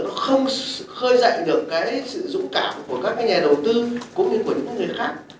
nó không khơi dậy được cái sự dũng cảm của các cái nhà đầu tư cũng như của những người khác